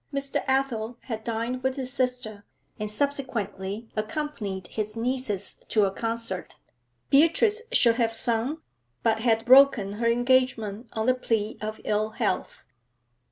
Mr. Athel had dined with his sister, and subsequently accompanied his nieces to a concert. Beatrice should have sung, but had broken her engagement on the plea of ill health.